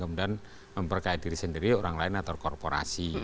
kemudian memperkaya diri sendiri orang lain atau korporasi